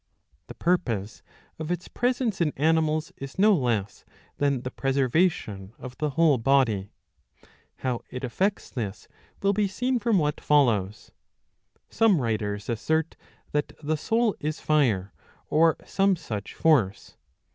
^ The purpose of its 652 b. ii 7 35 presence in animals is no less than the preservation of the whole body. How it effects this will be seen from what follows. Some writers assert that the soul is fire or some such force.'''